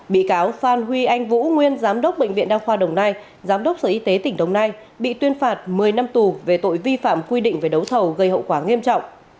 bị cáo phan huy anh vũ nguyên giám đốc bệnh viện đa khoa đồng nai giám đốc sở y tế tỉnh đồng nai bị tuyên phạt một mươi năm tù về tội vi phạm quy định về đấu thầu gây hậu quả nghiêm trọng